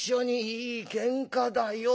いいケンカだよ。